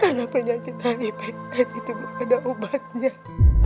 ayo ratih kamu jenguk ibu kamu sebelum dia meninggalornak